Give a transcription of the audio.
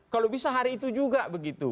kalau bisa hari itu juga begitu